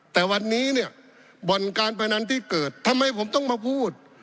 แต่วันนี้วันการประแน่นั้นที่เกิดทำไมผมต้องมาพูด